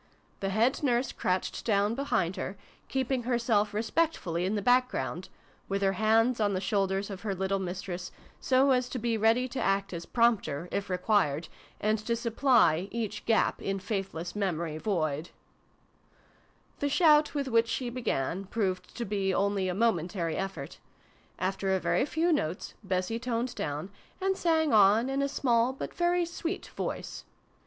The Head Nurse crouched down behind her, keeping herself respectfully in the back ground, with her hands on the shoulders of her little mistress, so as to be ready to act as Prompter, if required, and to supply ' each gap in faithless memory void' v] MATILDA JANE. 75 The shout, with which she began, proved to be only a momentary effort. After a very few notes, Bessie toned down, and sang on in a small but very sweet voice.